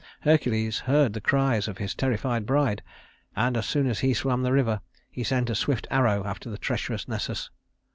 Hercules heard the cries of his terrified bride, and as soon as he swam the river he sent a swift arrow after the treacherous Nessus.